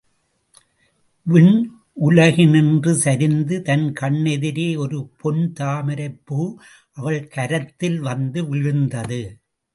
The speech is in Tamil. விண்ணுலகினின்று சரிந்து தன் கண்ணெதிரே ஒரு பொன் தாமரைப்பூ அவள் கரத்தில் வந்து விழுந்தது.